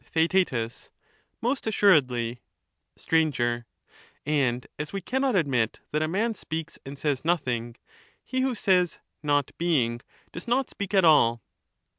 Theaet. Most assuredly. Str. And as we cannot admit that a man speaks and says It is nothing, he who says ' not being ' does not speak at all.